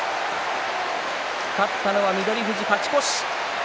勝ったのは翠富士、勝ち越し。